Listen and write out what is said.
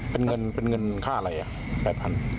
เป็นเงินค่าอะไร๘๐๐๐บาท